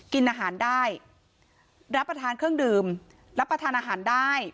กินอาหารได้รับประทานเครื่องดื่มรับประทานอาหารได้